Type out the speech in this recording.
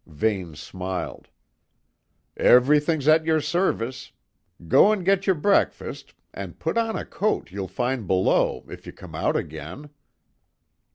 Vane smiled. "Everything's at your service. Go and get your breakfast, and put on a coat you'll find below if you come out again."